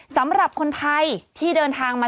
สำหรับคนไทยที่เดินทางมา